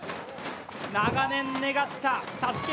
長年願ったＳＡＳＵＫＥ